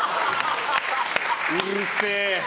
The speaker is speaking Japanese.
うるせえ。